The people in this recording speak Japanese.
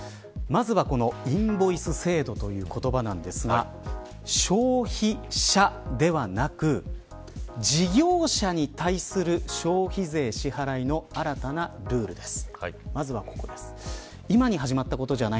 まずは、このインボイス制度という言葉なんですが消費者ではなく事業者に対する消費税支払いの新たなルールです。